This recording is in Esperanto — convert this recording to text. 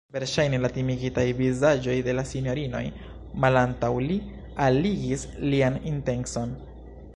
Verŝajne la timigitaj vizaĝoj de la sinjorinoj malantaŭ li aliigis lian intencon.